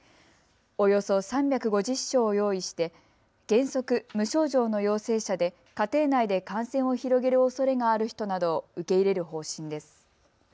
およそ３５０床を用意して原則、無症状の陽性者で家庭内で感染を広げるおそれがある人などを受け入れる方針です。